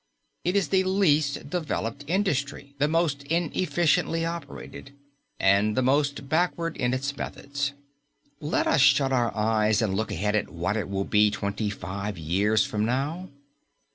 It is the least developed industry, the most inefficiently operated, and the most backward in its methods. Let us shut our eyes and look ahead at what it will be twenty five years from now.